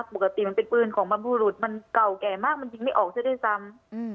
ปกติมันเป็นปืนของบรรพบุรุษมันเก่าแก่มากมันยิงไม่ออกซะด้วยซ้ำ